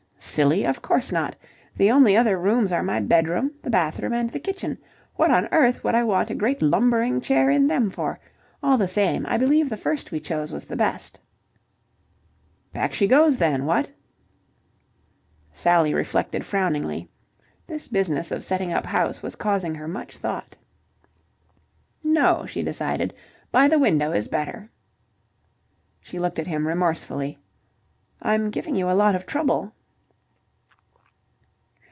"Silly! Of course not. The only other rooms are my bedroom, the bathroom and the kitchen. What on earth would I want a great lumbering chair in them for? All the same, I believe the first we chose was the best." "Back she goes, then, what?" Sally reflected frowningly. This business of setting up house was causing her much thought. "No," she decided. "By the window is better." She looked at him remorsefully. "I'm giving you a lot of trouble."